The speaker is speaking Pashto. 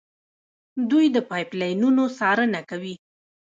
دوی د پایپ لاینونو څارنه کوي.